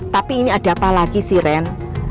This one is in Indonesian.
tapi ini ada apa lagi sih ren